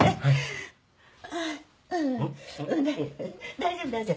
大丈夫大丈夫。